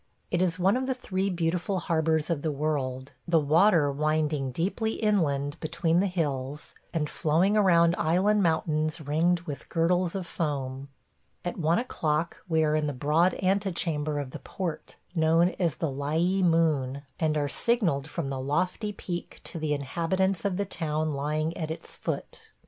It is one of the three beautiful harbors of the world, the water winding deeply inland between the hills, and flowing around island mountains ringed with girdles of foam. At one o'clock we are in the broad antechamber of the port, known as the Lyee Moon, and are signalled from the lofty peak to the inhabitants of the town lying at its foot.